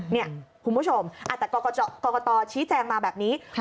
นี่คุณผู้ชมแต่กรกตชี้แจงมาแบบนี้